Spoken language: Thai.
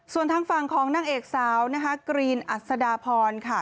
ส่วนทางฝั่งของนางเอกสาวนะคะกรีนอัศดาพรค่ะ